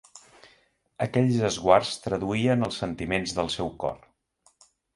Aquells esguards traduïen els sentiments del seu cor.